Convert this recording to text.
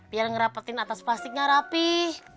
biar ngerapetin atas plastiknya rapih